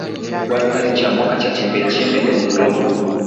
wastani cha mwaka cha chembechembe ndogondogo